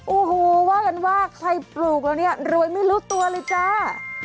โอ้โหว่ากันว่าใครปลูกแล้วเนี่ยรวยไม่รู้ตัวเลยจ้า